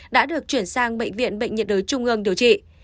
đã được chuyển sang bệnh viện bệnh nhiệt đới trung ương điều trị